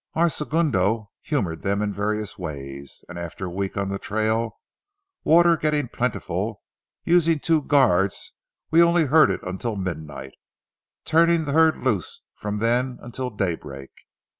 Our segundo humored them in various ways, and after a week on the trail, water getting plentiful, using two guards, we only herded until midnight, turning the herd loose from then until daybreak.